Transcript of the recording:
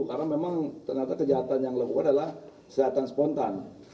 karena memang ternyata kejahatan yang lewuk adalah kejahatan spontan